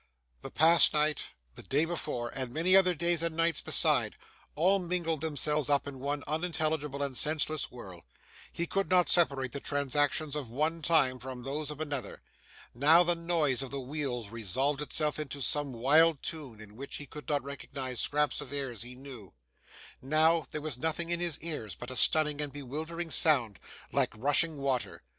The past night, the day before, and many other days and nights beside, all mingled themselves up in one unintelligible and senseless whirl; he could not separate the transactions of one time from those of another. Now, the noise of the wheels resolved itself into some wild tune in which he could recognise scraps of airs he knew; now, there was nothing in his ears but a stunning and bewildering sound, like rushing water.